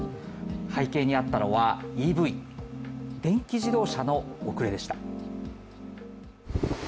背景にあったのはＥＶ＝電気自動車の遅れでした。